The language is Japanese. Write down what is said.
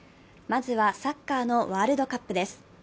まずは、サッカーのワールドカップです。